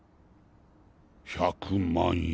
１００万円。